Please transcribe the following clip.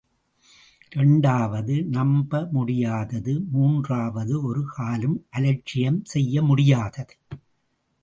இரண்டாவது நம்ப முடியாதது, மூன்றாவது ஒரு காலும் அலட்சியம் செய்ய முடியாதது.